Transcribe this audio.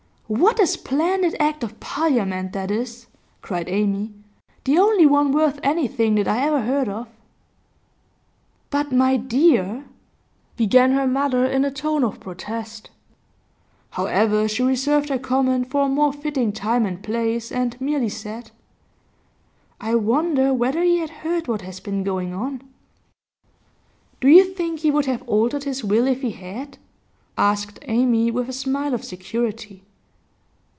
'What a splendid Act of Parliament that is!' cried Amy. 'The only one worth anything that I ever heard of.' 'But my dear ' began her mother, in a tone of protest. However, she reserved her comment for a more fitting time and place, and merely said: 'I wonder whether he had heard what has been going on?' 'Do you think he would have altered his will if he had?' asked Amy with a smile of security.